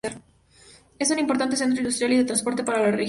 Es un importante centro industrial y de transporte para la región.